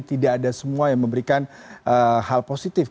tidak ada semua yang memberikan hal positif